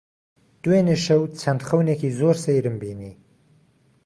دوێنێ شەو چەند خەونێکی زۆر سەیرم بینی.